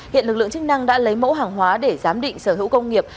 hiện lực lượng chức năng đã lấy mẫu hàng hóa để giám định sở hữu công nghiệp